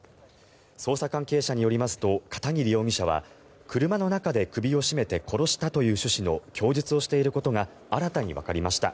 捜査関係者によりますと片桐容疑者は車の中で首を絞めて殺したという趣旨の供述をしていることが新たにわかりました。